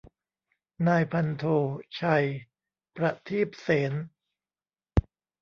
นายพันโท ไชย ประทีบเสน